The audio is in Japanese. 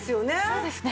そうですね。